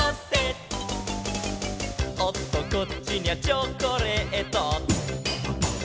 「おっとこっちにゃチョコレート」